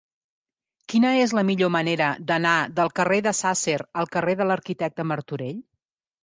Quina és la millor manera d'anar del carrer de Sàsser al carrer de l'Arquitecte Martorell?